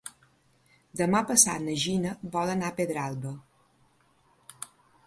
Demà passat na Gina vol anar a Pedralba.